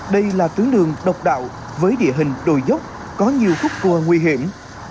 đây là tuyến đường độc đạo với địa hình đồi dốc có nhiều khúc cua nguy hiểm